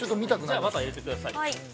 ◆じゃあ、バター入れてください。